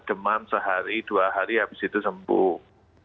demam sehari dua hari habis itu sembuh